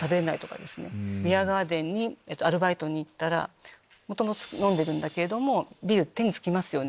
ビアガーデンにアルバイトに行ったら元々飲んでるんだけれどもビール手につきますよね。